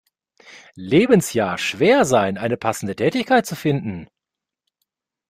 Lebensjahr, schwer sein, eine passende Tätigkeit zu finden.